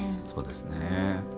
そうですね。